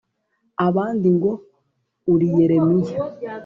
abandi ngo uri Yeremiya,